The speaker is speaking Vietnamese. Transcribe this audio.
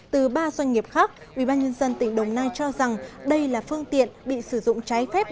từ ba doanh nghiệp khác ubnd tỉnh đồng nai cho rằng đây là phương tiện bị sử dụng trái phép